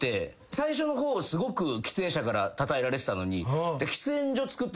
最初の方すごく喫煙者からたたえられてたのに。